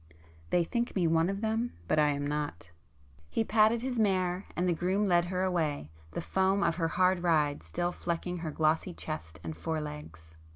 They think me one of them, but I am not." He patted his mare and the groom led her away, the foam of her hard ride still flecking her glossy chest and forelegs.